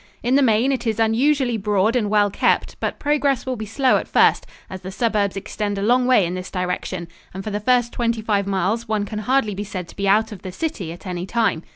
In the main it is unusually broad and well kept, but progress will be slow at first, as the suburbs extend a long way in this direction, and for the first twenty five miles one can hardly be said to be out of the city at any time.